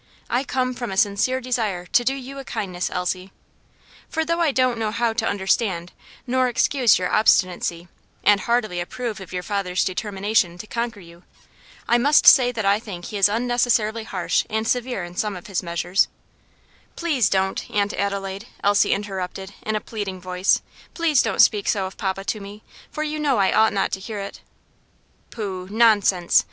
I come from a sincere desire to do you a kindness, Elsie; for, though I don't know how to understand nor excuse your obstinacy, and heartily approve of your father's determination to conquer you, I must say that I think he is unnecessarily harsh and severe in some of his measures " "Please don't, Aunt Adelaide," Elsie interrupted, in a pleading voice, "please don't speak so of papa to me; for you know I ought not to hear it." "Pooh! nonsense!"